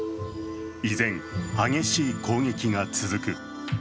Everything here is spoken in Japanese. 依然、激しい攻撃が続く。